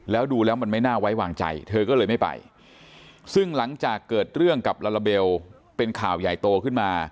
แล้วดูแล้วมันไม่น่าไว้วางใจเธอก็เลยไม่ไปซึ่งหลังจากเกิดเรื่องกับลาลาเบลเป็นข่าวใหญ่โตขึ้นมา